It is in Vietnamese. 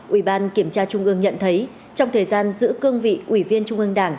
ủy ban kiểm tra trung ương nhận thấy trong thời gian giữ cương vị ủy viên trung ương đảng